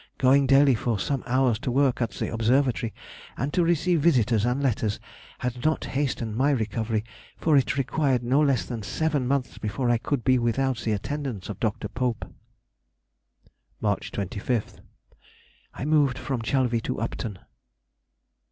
Going daily for some hours to work at the Observatory, and to receive visitors and letters, had not hastened my recovery, for it required no less than seven months before I could be without the attendance of Dr. Pope. March 25th.—I moved from Chalvy to Upton.